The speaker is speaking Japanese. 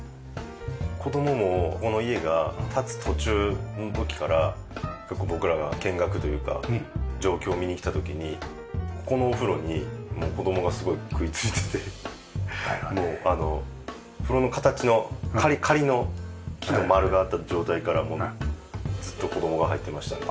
子供もこの家が建つ途中の時からよく僕らが見学というか状況を見に来た時にここのお風呂に子供がすごい食いついててもう風呂の形の仮の木の丸があった状態からずっと子供が入ってましたね。